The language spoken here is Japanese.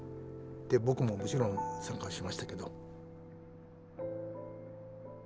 で僕ももちろん参加しましたけど。